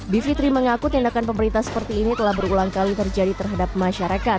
bivitri mengaku tindakan pemerintah seperti ini telah berulang kali terjadi terhadap masyarakat